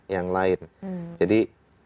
yang lain jadi